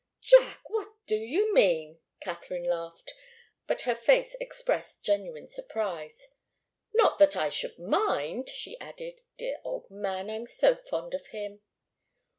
"Jack! What do you mean?" Katharine laughed, but her face expressed genuine surprise. "Not that I should mind," she added. "Dear old man! I'm so fond of him!"